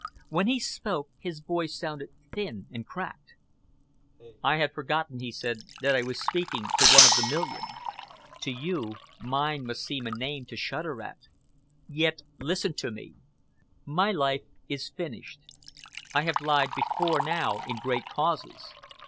When he spoke, his voice sounded thin and cracked. "I had forgotten," he said, "that I was speaking to one of the million. To you, mine must seem a name to shudder at. Yet listen to me. My life is finished. I have lied before now in great causes.